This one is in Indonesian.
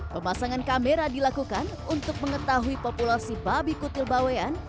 pemasangan kamera dilakukan untuk mengetahui populasi babi kutil bawean